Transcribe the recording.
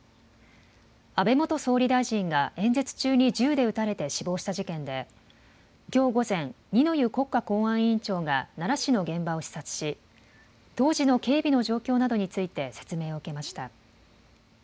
安倍元総理大臣が演説中に銃で撃たれて死亡した事件できょう午前、二之湯国家公安委員長が奈良市の現場を視察し当時の警備の状況などについて説明を受けました。